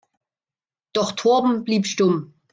Doch Torben blieb stumm.